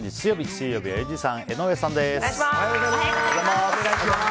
水曜日はユージさん、江上さんです。